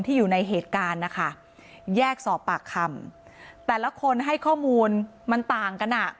อยู่ในเหตุการณ์นะคะแยกสอบปากคำแต่ละคนให้ข้อมูลมันต่างกันอ่ะ